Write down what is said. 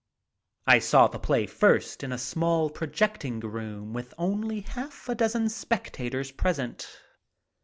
I saw the play first in a small projecting room with only half a dozen spectators present.